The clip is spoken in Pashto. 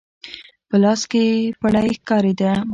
په لاس کې يې پړی ښکارېده.